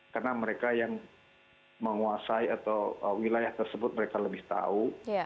karena mereka yang menguasai atau wilayah tersebut mereka lebih tahu